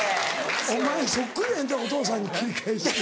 お前そっくりやねんてお父さんに切り返し。